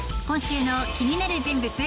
今週の気になる人物